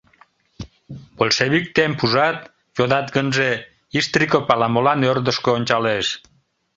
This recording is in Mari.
— Большевик темп, ужат? — йодат гынже, Иштриков ала-молан ӧрдыжкӧ ончалеш.